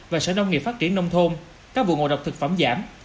và sở nông nghiệp phát triển nông thôn các vụ ngộ độc thực phẩm giảm